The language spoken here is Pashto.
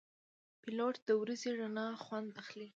پیلوټ د ورځې رڼا خوند اخلي.